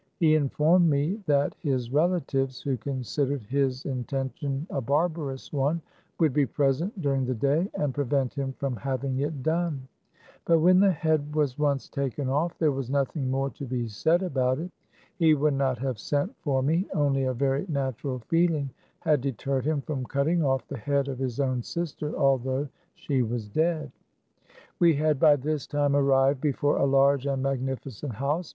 He informed me that his relatives, who considered his intention a bar barous one, would be present during the day, and prevent him from having it done. But when the head was once taken off there was nothing more to be said about it. He would not have sent' for me, only a very natural feeling had deterred him from cutting off the head of his own sister, although she was dead. We had by this time arrived before a large and magnificent house.